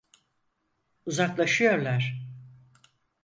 Uzaklaşıyorlar.